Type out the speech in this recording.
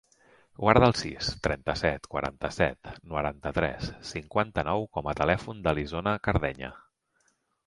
Guarda el sis, trenta-set, quaranta-set, noranta-tres, cinquanta-nou com a telèfon de l'Isona Cardeña.